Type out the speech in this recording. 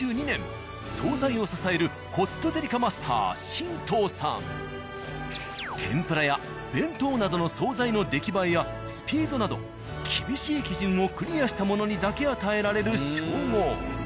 惣菜を支える天ぷらや弁当などの惣菜の出来栄えやスピードなど厳しい基準をクリアした者にだけ与えられる称号。